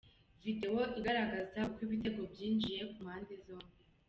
Video igaragaza uko ibitego byinjiye ku mpande zombi:.